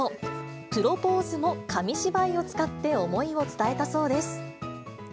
プロポーズも紙芝居を使って思いを伝えたそうです。